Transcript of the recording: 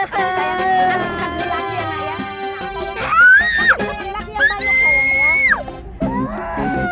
saat itu ilah penggila itu yang menangiya